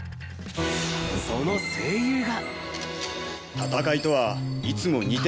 その声優が。